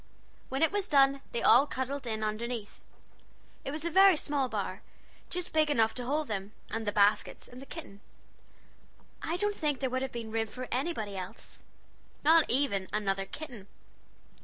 When it was done they all cuddled in underneath. It was a very small bower just big enough to hold them, and the baskets, and the kitten. I don't think there would have been room for anybody else, not even another kitten.